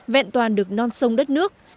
vẹn toàn được non sông đất nước